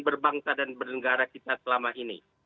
berbangsa dan bernegara kita selama ini